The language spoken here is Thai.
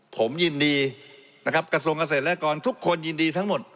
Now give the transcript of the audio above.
ผมยินดีนะครับกระทรวงเกษตรและกรทุกคนยินดีทั้งหมด